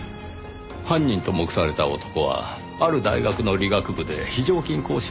犯人と目された男はある大学の理学部で非常勤講師を務める男でした。